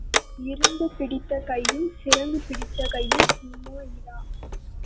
இரும்பு பிடித்த கையும் சிரங்கு பிடித்த கையும் சும்மா இரா.